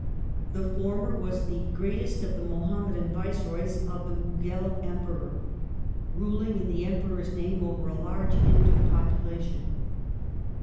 1780 1799 The former was the greatest of the Muhammadan Viceroys of the Mughal Emperor, ruling in the Emperor's name over a large Hindu population.